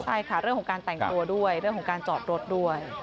ใช่ค่ะเรื่องของการแต่งตัวด้วยเรื่องของการจอดรถด้วย